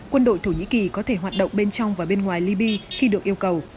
quân đội thổ nhĩ kỳ có thể hoạt động bên trong và bên ngoài libya khi được yêu cầu